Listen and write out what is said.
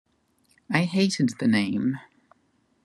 I hated the name.